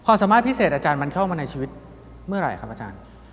สามารถพิเศษอาจารย์มันเข้ามาในชีวิตเมื่อไหร่ครับอาจารย์